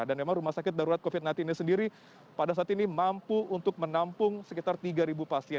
dan memang rumah sakit darurat covid sembilan belas ini sendiri pada saat ini mampu untuk menampung sekitar tiga pasien